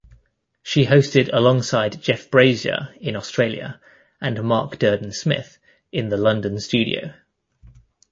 She hosted alongside Jeff Brazier in Australia, and Mark Durden-Smith in the London studio.